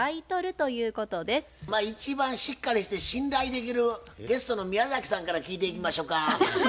まあ一番しっかりして信頼できるゲストの宮崎さんから聞いていきましょか。